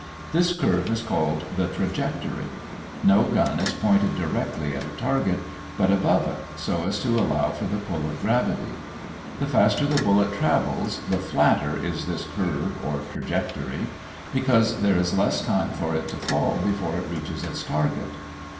This curve is called the "trajectory." No gun is pointed directly at a target, but above it, so as to allow for the pull of gravity. The faster the bullet travels, the flatter is this curve or trajectory, because there is less time for it to fall before it reaches its target.